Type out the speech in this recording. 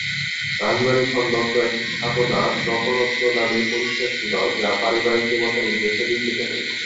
রাজবাড়ি সংলগ্ন একটি স্থাপনা ‘নবরত্ন’ নামে পরিচিত ছিল যা পারিবারিক দেবতার উদ্দেশ্যে নির্মিত হয়েছিল।